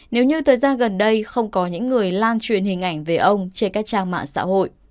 nếu như thời gian gần đây không có những người lan truyền hình ảnh về ông trên các trang mạng xã hội